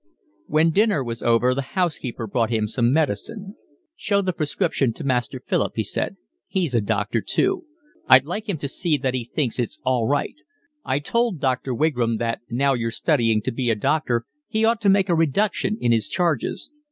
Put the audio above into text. When dinner was over the housekeeper brought him some medicine. "Show the prescription to Master Philip," he said. "He's a doctor too. I'd like him to see that he thinks it's all right. I told Dr. Wigram that now you're studying to be a doctor he ought to make a reduction in his charges.